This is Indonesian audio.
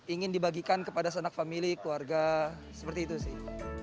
ingin dibagikan kepada sanak famili keluarga seperti itu sih